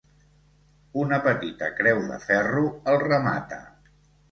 Una petita creu de ferro el remata.